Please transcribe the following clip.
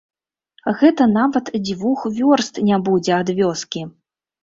Гэта нават дзвюх вёрст не будзе ад вёскі.